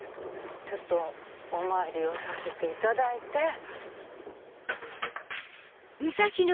ちょっとお参りをさせていただいて。